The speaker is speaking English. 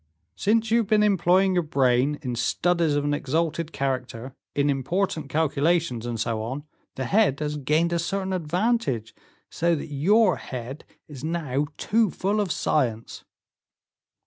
"Since you have been employing your brain in studies of an exalted character, in important calculations, and so on, the head has gained a certain advantage, so that your head is now too full of science."